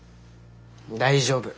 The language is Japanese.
大丈夫。